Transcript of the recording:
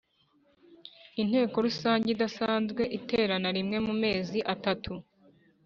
Inteko rusange idasanzwe iterana rimwe mu mezi atatu